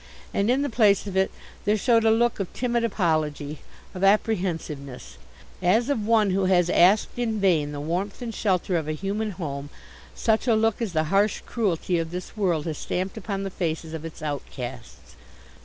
And in the place of it there showed a look of timid apology, of apprehensiveness, as of one who has asked in vain the warmth and shelter of a human home such a look as the harsh cruelty of this world has stamped upon the faces of its outcasts.